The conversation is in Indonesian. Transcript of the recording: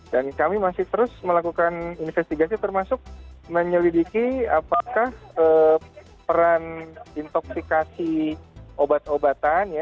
dan kami masih terus melakukan investigasi termasuk menyelidiki apakah peran intoxikasi obat obatan